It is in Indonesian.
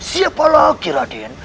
siapa lagi raden